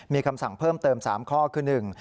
มีคำสั่งเพิ่มเติม๓ข้อคือหนึ่ง